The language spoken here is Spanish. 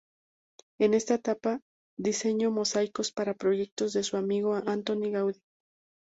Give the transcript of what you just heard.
En esa etapa, diseñó mosaicos para proyectos de su amigo Antoni Gaudí.